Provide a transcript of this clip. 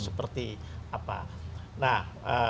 seperti apa nah